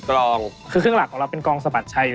ขอบคุณทั้ง๒คนมากยังไม่เคยไหลนะ